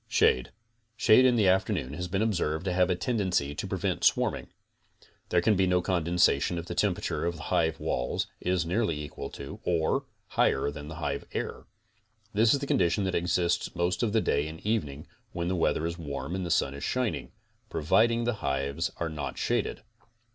SHADE' Shade in the afternoon has been observed to have a tendency to prevent swarming. There can be no condensation if the tem perature of the hive walls is nearly equal to or higher than the hive air. This is the condition that exists most of the day and evening when the weather is warm and the sun is shining; pro viding the hives are not shaded.